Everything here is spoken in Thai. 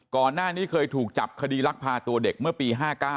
ก่อนหน้านี้เคยถูกจับคดีลักพาตัวเด็กเมื่อปี๕๙